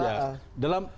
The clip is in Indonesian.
jadi kita berhenti